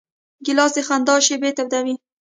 ګیلاس د خندا شېبې تودوي.